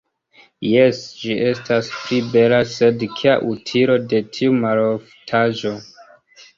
Jes, ĝi estas pli bela, sed kia utilo de tiu maloftaĵo.